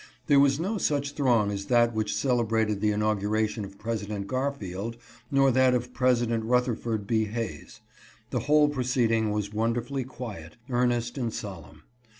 There was no such throng as that which celebra ted the inauguration of President Garfield nor that of President Rutherford B. Hayes. The whole proceeding was wonderfully quiet, earnest, and solemn.